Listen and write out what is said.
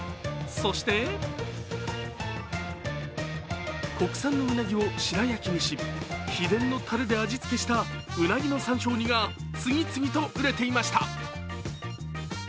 そして国産のうなぎを白焼きにし秘伝のたれで味付けしたうなぎの山椒煮が次々と売れていました。